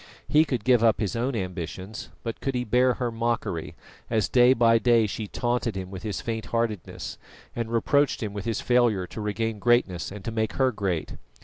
He could give up his own ambitions, but could he bear her mockery, as day by day she taunted him with his faint heartedness and reproached him with his failure to regain greatness and to make her great?